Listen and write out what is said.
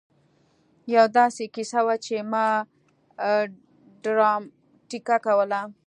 يوه داسې کيسه وه چې ما ډراماتيکه کوله.